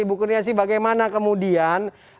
ibu kurniasi bagaimana kemudian